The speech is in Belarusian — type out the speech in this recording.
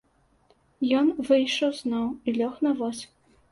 Ён выйшаў зноў і лёг на воз.